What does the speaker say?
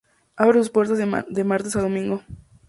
Abre sus puertas de martes a domingo.